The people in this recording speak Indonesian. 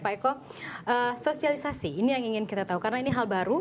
pak eko sosialisasi ini yang ingin kita tahu karena ini hal baru